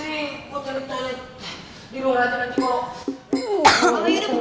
di luar rata nanti kalau